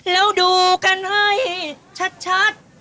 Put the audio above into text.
แล้วดูกันให้ชัด